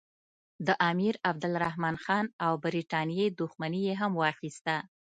د امیرعبدالرحمن خان او برټانیې دښمني یې هم واخیسته.